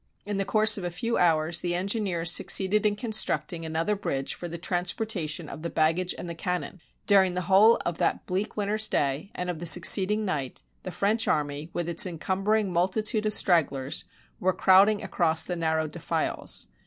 In the course of a few hours the engineers succeeded in constructing another bridge for the transportation of the baggage and the cannon. During the whole of that bleak winter's day, and of the succeeding night, the French army, with its encumbering multitude of strag glers, were crowding across these narrow defiles.